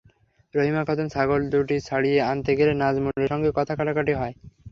রহিমা খাতুন ছাগল দুটি ছাড়িয়ে আনতে গেলে নাজমুলের সঙ্গে কথা-কাটাকাটি হয়।